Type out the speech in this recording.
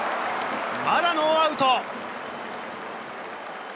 まだノーアウト。